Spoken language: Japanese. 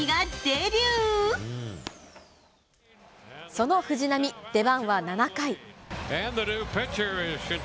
その藤浪、出番は７回。